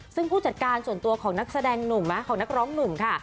ซึ่งผู้จัดการส่วนตัวของนักแสดงหนุ่มของนักร้องหนุ่มค่ะ